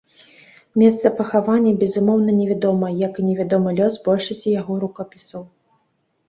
Месца пахавання, безумоўна, невядомае, як і невядомы лёс большасці яго рукапісаў.